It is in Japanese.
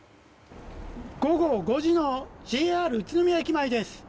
午後５時のＪＲ宇都宮駅前です。